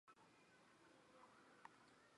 梅尔莱人口变化图示